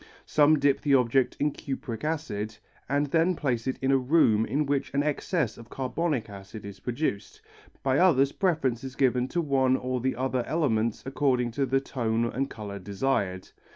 Some dip the object in cupric acid and then place it in a room in which an excess of carbonic acid is produced, by others preference is given to one or the other element according to the tone and colour desired.